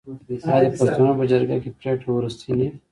آیا د پښتنو په جرګه کې پریکړه وروستۍ نه وي؟